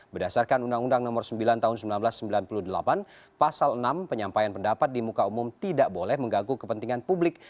berdasarkan undang undang nomor sembilan tahun seribu sembilan ratus sembilan puluh delapan pasal enam penyampaian pendapat di muka umum tidak boleh mengganggu kepentingan publik